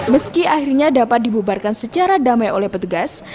meski akhirnya dapat dibubarkan secara damai oleh petugas